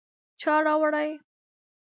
_چا راوړې ؟